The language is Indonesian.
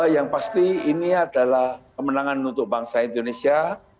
yang pasti ini adalah kemenangan untuk bangsa indonesia